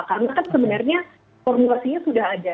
karena sebenarnya formulasinya sudah ada